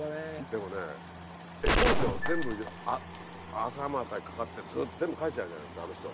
でもね絵コンテを全部朝までかかって全部描いちゃうじゃないですかあの人。